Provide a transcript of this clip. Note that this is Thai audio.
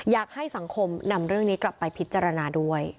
อยากให้สังคมนำเรื่องนี้กลับไปพิจารณาด้วย